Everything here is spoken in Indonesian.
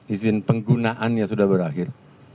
izin penggunaannya sudah berakhir